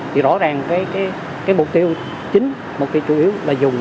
thì rõ ràng cái mục tiêu chính một cái chủ yếu là dùng để